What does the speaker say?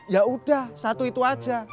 ya udah satu itu aja